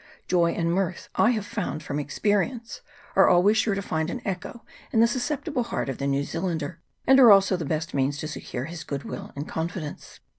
Joy and mirth, I have found from expe rience, are always sure to find an echo in the sus ceptible heart of the New Zealander, and are also the best means to secure his good will and con fidence.